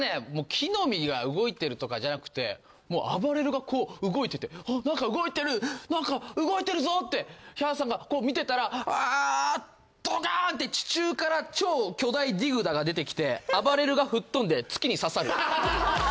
木の実が動いてるとかじゃなくてあばれるがこう動いててなんか動いてるなんか動いてるぞってヒャダさんがこう見てたらドカーンって地中から超巨大ディグダが出てきてあばれるが吹っ飛んで月に刺さる。